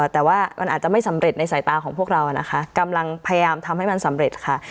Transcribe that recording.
แต่ว่ามันอาจจะไม่สำเร็จในสายตาของพวกเรานะคะกำลังพยายามทำให้มันสำเร็จค่ะ